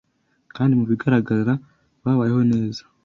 kandi mu bigaragara babayeho neza